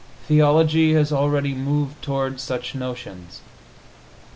Theology has already moved toward such notions.